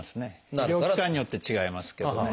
医療機関によって違いますけどね。